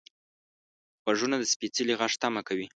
غوږونه د سپیڅلي غږ تمه کوي